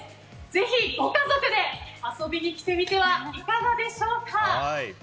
ぜひご家族で遊びに来てみてはいかがでしょうか。